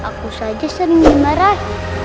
aku saja sering dimarah